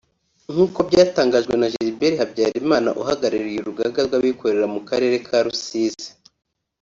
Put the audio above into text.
nk’uko byatangajwe na Gilbert Habyarimana uhagariye uruganga rwabikorera mu karere ka Rusizi